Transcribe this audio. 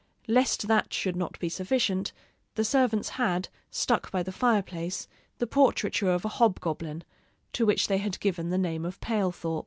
Lest that should not be sufficient, the servants had, stuck by the fireplace, the portraiture of a hobgoblin, to which they had given the name of Palethorp.